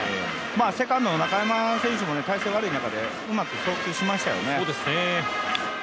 セカンドの中山選手も体勢悪い中で、うまく送球しましたよね。